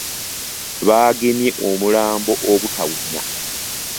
Baagemye omulambo obutawunya.